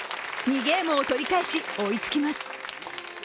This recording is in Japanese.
２ゲームを取り返し、追いつきます。